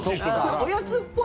おやつっぽい。